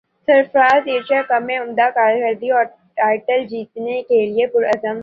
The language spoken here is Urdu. سرفراز ایشیا کپ میں عمدہ کارکردگی اور ٹائٹل جیتنے کیلئے پرعزم